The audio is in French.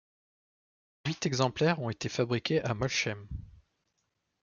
Huit exemplaires ont été fabriqués à Molsheim.